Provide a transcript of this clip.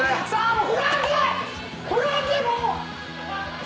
もう。